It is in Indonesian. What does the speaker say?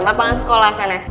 lapangan sekolah sana ya